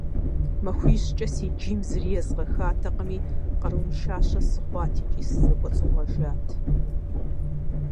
МахуищкӀэ си джийм зыри езгъэхатэкъыми, къарууншащэ сыхъуат икӀи сызэкӀуэцӀыгъуэжат.